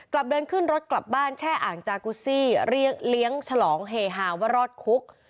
ขึ้นรถกลับบ้านแช่อ่างจากุซี่เลี้ยงฉลองเฮฮาว่ารอดคุก